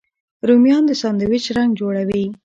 رومیان د ساندویچ رنګ جوړوي